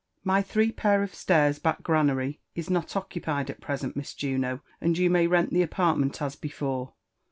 My tliree pair of stairs back granary is not ocpied at presint, Mis Juno, and you may rint the apartment as before.